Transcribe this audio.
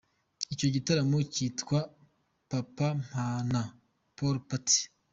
Icyo gitaramo kitwa “Papampana Pool Party”.